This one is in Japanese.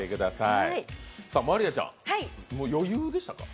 真莉愛ちゃん、余裕でしたか？